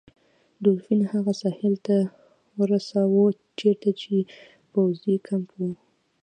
دولفین هغه ساحل ته ورساوه چیرته چې پوځي کمپ و.